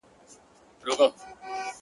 خو درد لا هم شته تل,